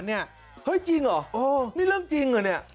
เฮ้ยจริงเหรอนี่เรื่องจริงเหรอเนี่ย